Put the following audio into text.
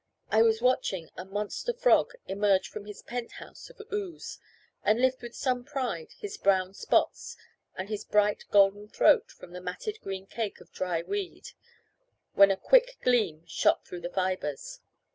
I was watching a monster frog emerge from his penthouse of ooze, and lift with some pride his brown spots and his bright golden throat from the matted green cake of dry weed, when a quick gleam shot through the fibres.